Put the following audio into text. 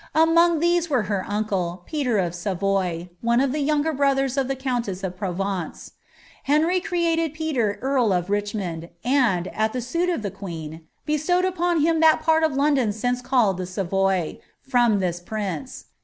Among these was licr uncle, pMer . of Savoy, one of the yuuiiger bruiliera of ilie countess of ProTeoK, lienry created Peter earl of Kichiiiond, and, at the suit of the nuiea, bestowed upon him thiU pari of Loudon itince called the Ssroy, fton this ptiiice.